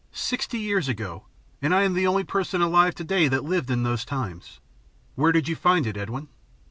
Sixty years ago, and I am the only person alive to day that lived in those times. Where did you find it, Edwin?"